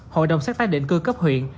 hội đồng xác tác định cư cấp huyện